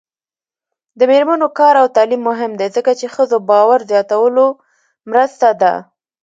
د میرمنو کار او تعلیم مهم دی ځکه چې ښځو باور زیاتولو مرسته ده.